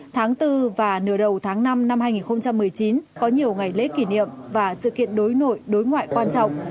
tháng bốn và nửa đầu tháng năm năm hai nghìn một mươi chín có nhiều ngày lễ kỷ niệm và sự kiện đối nội đối ngoại quan trọng